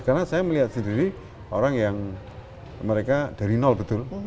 karena saya melihat sendiri orang yang mereka dari nol betul